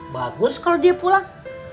bagus kalau dia pulang